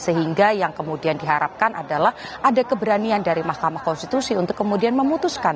sehingga yang kemudian diharapkan adalah ada keberanian dari mahkamah konstitusi untuk kemudian memutuskan